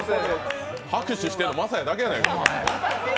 拍手してるの晶哉だけやないか。